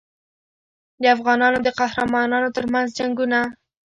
د افغانانو د قهرمانانو ترمنځ جنګونه.